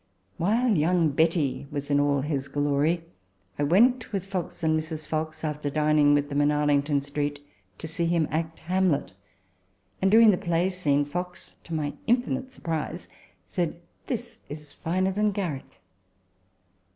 While young Betty was in all his glory, I went with Fox and Mrs. Fox, after dining with them in Arlington Street, to see him act Hamlet ; and, during the play scene, Fox, to my infinite surprise, said, " This is finer than Garrick."